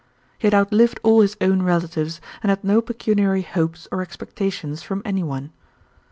He had outlived all his own relatives, and had no pecuniary hopes or expectations from anyone.